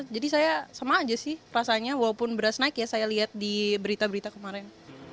jadi saya sama aja sih rasanya walaupun beras naik ya saya lihat di berita berita kemarin